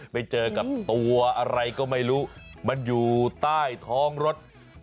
ไปเจอกับตัวอะไรก็ไม่รู้มันอยู่ใต้ท้องรถ